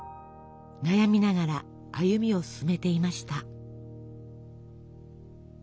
悩みながら歩みを進めていました。